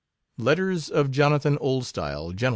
LETTERS OF JONATHAN OLDSTYLE, GENT.